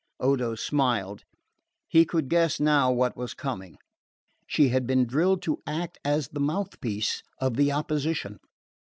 Odo smiled. He could guess now what was coming. She had been drilled to act as the mouthpiece of the opposition.